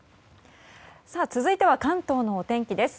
続いては関東のお天気です。